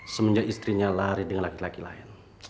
semenjak istrinya lari dengan laki laki lain